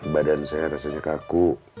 badan saya rasanya kaku